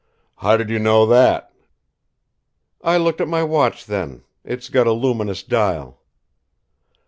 "How did you know that?" "I looked at my watch then. It's got a luminous dial."